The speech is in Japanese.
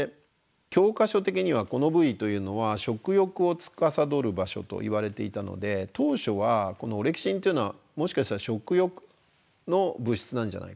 教科書的にはこの部位というのは食欲をつかさどる場所といわれていたので当初はこのオレキシンっていうのはもしかしたら食欲の物質なんじゃないか。